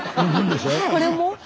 これも？